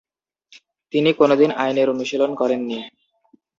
তিনি কোনদিন আইনের অনুশীলন করেননি।